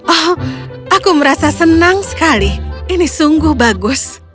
oh aku merasa senang sekali ini sungguh bagus